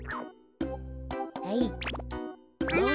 はい。